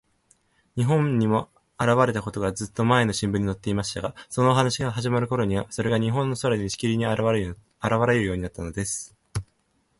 日本にもあらわれたことが、ずっとまえの新聞にのっていましたが、そのお話のはじまるころには、それが日本の空に、しきりにあらわれるようになったのです。